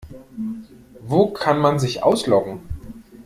Wo kann man sich ausloggen?